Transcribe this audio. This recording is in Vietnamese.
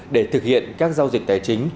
để thực hiện các giao dịch tài chính